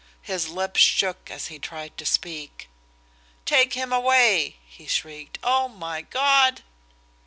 His lips shook as he tried to speak. "Take him away!" he shrieked. "Oh, my God!"